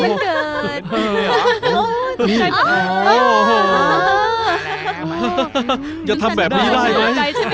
อะไรหรอโอ้โหตกใจมากเลยโอ้โห